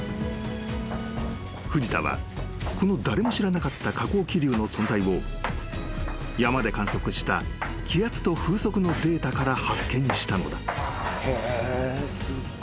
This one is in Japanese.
［藤田はこの誰も知らなかった下降気流の存在を山で観測した気圧と風速のデータから発見したのだ］